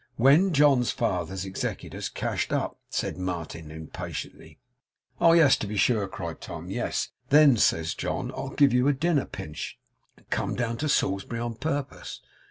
'When John's father's executors cashed up,' said Martin impatiently. 'Oh yes, to be sure,' cried Tom; 'yes. "Then," says John, "I'll give you a dinner, Pinch, and come down to Salisbury on purpose."